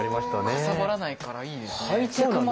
かさばらないからいいですね。